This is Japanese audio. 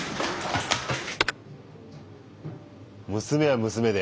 娘は娘で。